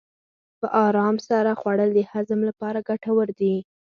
په ارام سره خوړل د هضم لپاره ګټور دي.